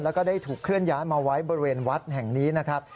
แล้วก็ได้ถูกเคลื่อนย้ายมาไว้บริเวณวัดแห่งนี้นะครับ